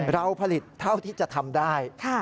เราผลิตเท่าที่จะทำได้